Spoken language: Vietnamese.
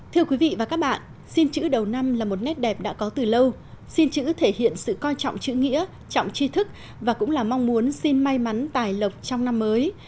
thưa quý vị và các bạn xin chữ đầu năm là một nét đẹp đã có từ lâu xin chữ thể hiện sự coi trọng chữ nghĩa trọng chi thức và cũng là mong muốn xin may mắn tài lộc trong năm mới